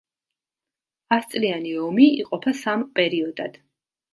ასწლიანი ომი იყოფა სამ პერიოდად.